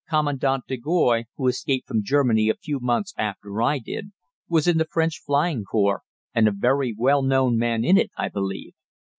Commandant de Goys, who escaped from Germany a few months after I did, was in the French Flying Corps, and a very well known man in it, I believe.